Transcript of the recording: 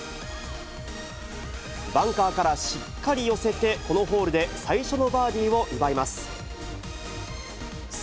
バンカーからしっかり寄せて、このホールで最初のバーディーを奪います。